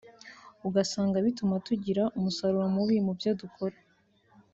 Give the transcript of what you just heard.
ugasanga bituma tugira umusaruro mubi mu byo dukora